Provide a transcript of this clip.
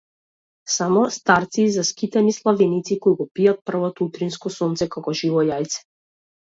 Само старци и заскитани славеници кои го пијат првото утринско сонце како живо јајце.